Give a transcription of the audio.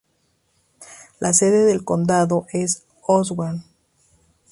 La sede del condado es Oswego.